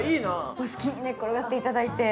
お好きに転がっていただいて。